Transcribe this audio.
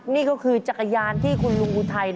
นี่ก็คือจักรยานที่คุณลุงอุทัย